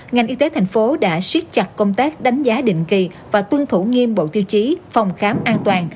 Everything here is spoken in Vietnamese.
ngành y tế thành phố đã siết chặt công tác đánh giá định kỳ và tuân thủ nghiêm bộ tiêu chí phòng khám an toàn